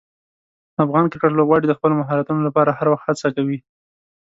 افغان کرکټ لوبغاړي د خپلو مهارتونو لپاره هر وخت هڅه کوي.